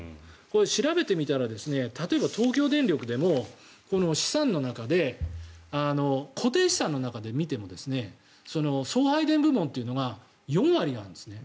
調べてみたら例えば東京電力でも資産の中で固定資産の中で見ても送配電部門というのが４割なんですね。